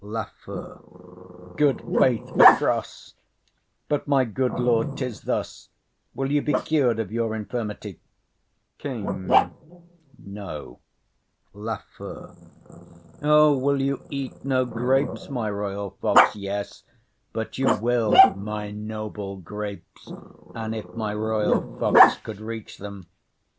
LAFEW. Good faith, across; But, my good lord, 'tis thus: will you be cur'd Of your infirmity? KING. No. LAFEW. O, will you eat No grapes, my royal fox? Yes, but you will My noble grapes, and if my royal fox Could reach them.